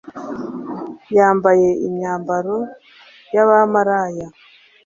Yambaye imyambaro yabamaraya